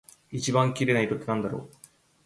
一番綺麗な色ってなんだろう？